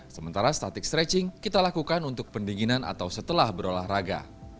sementara static stretching kita lakukan untuk pendinginan atau setelah berolahraga